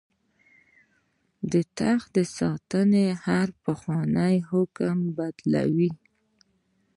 د تخت ساتنه هر پخوانی حکم بدلوي.